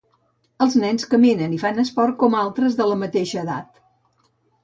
Els nens caminen i fan esport com altres de la mateixa edat.